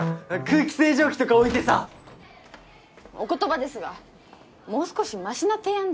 空気清浄機とか置いてさお言葉ですがもう少しマシな提案できません？